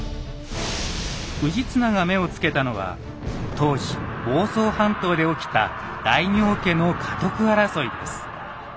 氏綱が目を付けたのは当時房総半島で起きた大名家の家督争いです。